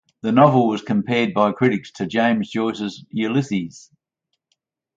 The novel was compared by critics to James Joyce's Ulysses.